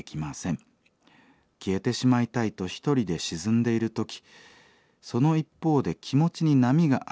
消えてしまいたいと一人で沈んでいる時その一方で気持ちに波があり